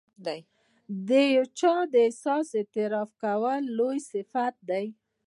د یو چا د احسان اعتراف کول لوړ صفت دی.